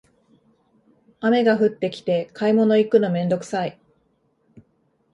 雨が降ってきて買い物行くのめんどくさい